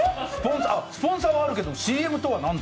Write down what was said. スポンサーはあるけどＣＭとは何だ？